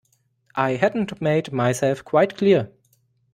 I hadn't made myself quite clear.